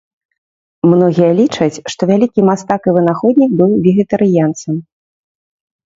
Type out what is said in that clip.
Многія лічаць, што вялікі мастак і вынаходнік быў вегетарыянцам.